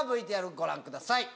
ＶＴＲご覧ください。